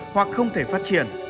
hoặc không thể phát triển